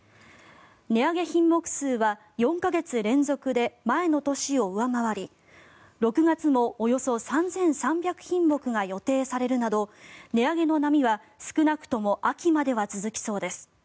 値上げ品目数は４か月連続で前の年を上回り６月もおよそ３３００品目が予定されるなど値上げの波は少なくとも秋までは続きそうです。